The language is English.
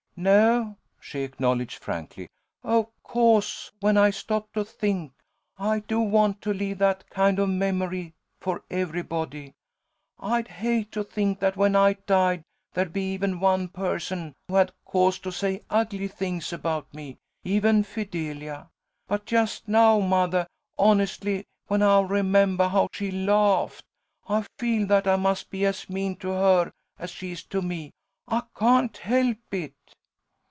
"No," she acknowledged, frankly. "Of co'se when I stop to think, I do want to leave that kind of a memory for everybody. I'd hate to think that when I died, there'd be even one person who had cause to say ugly things about me, even Fidelia. But just now, mothah, honestly when I remembah how she laughed, I feel that I must be as mean to her as she is to me. I can't help it."